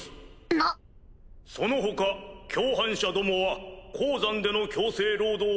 なっ！その他共犯者どもは鉱山での強制労働